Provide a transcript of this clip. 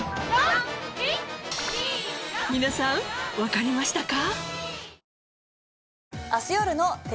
皆さんわかりましたか？